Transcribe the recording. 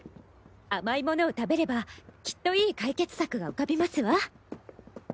甘いものを食べればきっといい解決策が浮かびますわ。